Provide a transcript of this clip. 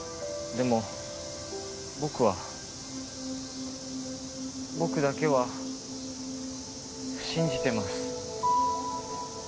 でも僕は僕だけは信じてます。